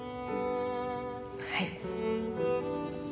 はい。